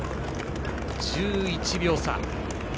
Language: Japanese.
１１秒差。